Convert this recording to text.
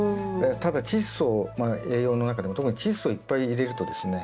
ただチッ素を栄養の中でも特にチッ素をいっぱい入れるとですね